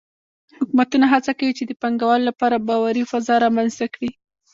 حکومتونه هڅه کوي چې د پانګهوالو لپاره باوري فضا رامنځته کړي.